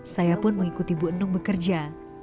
saya pun mengikuti bu enung bekerja